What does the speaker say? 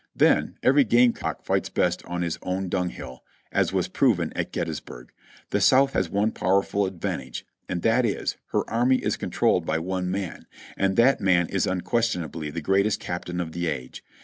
Then every game cock fights best on his own dnng hill, as was proven at Gettysburg. The South has one powerful advantage, and that is, her army is controlled by one man, and that man is unquestionably the greatest captain of the age.